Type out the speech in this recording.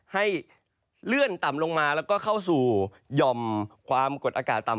ให้เลื่อนต่ำลงมาแล้วก็เข้าสู่หย่อมความกดอากาศต่ำ